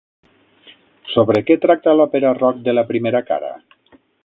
Sobre què tracta l'òpera rock de la primera cara?